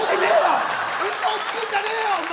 うそつくんじゃねえよ。